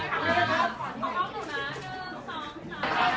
ขอบคุณครับ